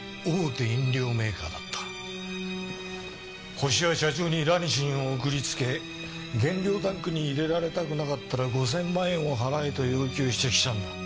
ホシは社長にラニシンを送りつけ原料タンクに入れられたくなかったら５０００万円を払えと要求してきたんだ。